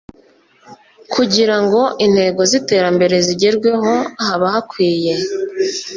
kugira ngo intego z'iterambere zigerweho, haba hakwiye